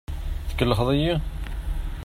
Tkellxeḍ-iyi?